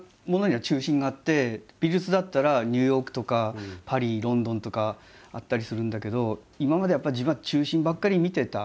美術だったらニューヨークとかパリロンドンとかあったりするんだけど今までやっぱ自分は中心ばっかり見てた。